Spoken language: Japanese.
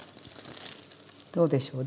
どうでしょう。